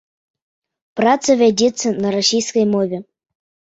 Праца вядзецца на расійскай мове.